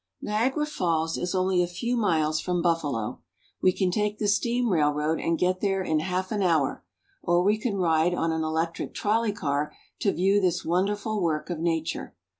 NIAGARA FALLS is only a few miles from Buffalo. We can take the steam railroad and get there in half an hour, or we can ride on an electric trolley car to view this wonderful work of nature.